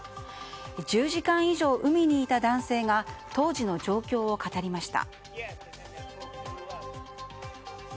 １０時間以上、海にいた男性が当時の状況を語りました。